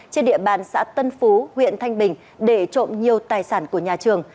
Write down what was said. trên địa bàn xã tân phú huyện thanh bình để trộm nhiều tài sản của nhà trường